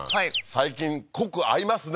最近濃く会いますね